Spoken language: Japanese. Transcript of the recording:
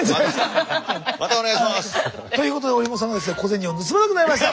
またお願いします！ということで折茂さんがですね小銭を盗まなくなりました。